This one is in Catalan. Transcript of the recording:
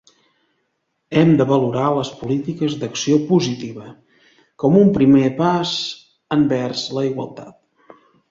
Hem de valorar les polítiques d’acció positiva com un primer pas envers la igualtat.